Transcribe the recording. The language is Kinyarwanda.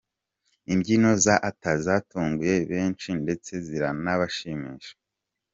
Imbyino za Arthur zatunguye benshi ndetse ziranabashimisha.